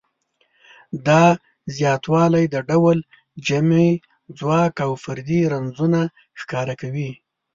دا زیاتوالی د ډول جمعي ځواک او فردي رنځونه ښکاره کوي.